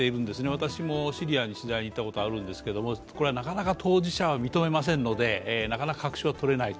私もシリアの時代に行ったことがあるんですけどなかなか当事者は認めませんので、確証はとれない。